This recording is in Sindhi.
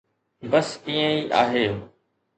بس ائين ئي آهي.